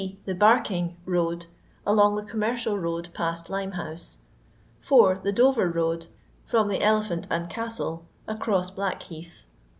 Th4 Barking Road, along the Commercial Road past Limehouse. 4. TAe Dover Road, fbm the Elephant and Castle, across Blackheath.